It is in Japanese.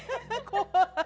怖い。